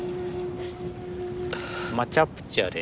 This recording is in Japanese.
マチャプチャレ。